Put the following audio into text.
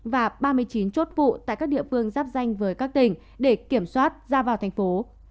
và ba mươi chín chốt vụ tại các địa phương giáp danh với các tỉnh để kiểm soát ra vào thành phố